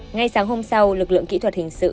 ngay sáng hôm sau lực lượng kỹ thuật hình sự